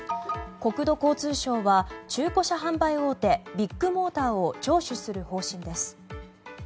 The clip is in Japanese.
国土交通省は中古車販売大手ビッグモーターを聴取する方針です。